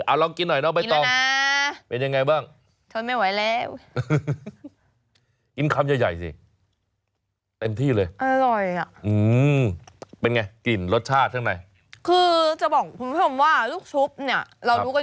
อะไรผมคุดถูกอยู่ที่เลยเป็นไงลดชาตร์ใช่ไหมคือจะบอกกุลผมว่าลูกชุบเนี่ยเราดูแบบ